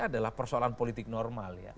adalah persoalan politik normal ya